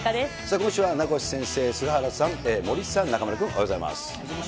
今週は名越先生、菅原さん、森さん、中丸君、おはようございます。